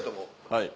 はい。